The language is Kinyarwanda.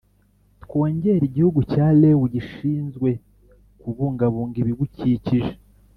Twongere igihugu cya rewu gishinzwe kubungabunga ibigukikije